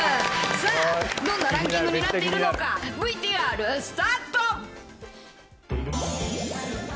さあ、どんなランキングになっているのか、ＶＴＲスタート。